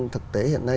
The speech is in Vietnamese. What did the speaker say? thực tế hiện nay